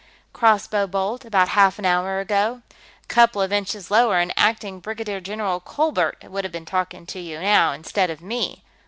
"Crossbow bolt, about half an hour ago. A couple of inches lower and acting Brigadier General Colbert'd have been talking to you, now, instead of me."